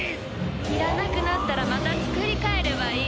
いらなくなったらまたつくり変えればいい。